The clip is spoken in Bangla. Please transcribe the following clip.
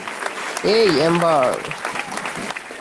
এই, এম্বার।